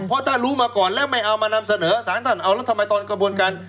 เพราะถ้ารู้มาก่อนแล้วไม่เอามานำเสนอสารท่านเอาแล้วทำไมตอนกระบวนการ